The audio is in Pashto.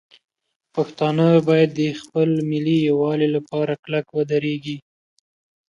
پښتانه باید د خپل ملي یووالي لپاره کلک ودرېږي.